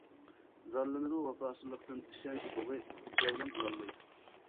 زارلىنىدۇ ۋاپاسىزلىقتىن، ئىشەنچ تۇغى جەۋلان قىلالماي.